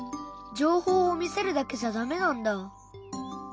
情報を見せるだけじゃダメなんだ。